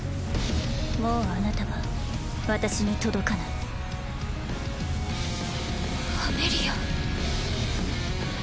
もうあなたは私に届かないアメリア？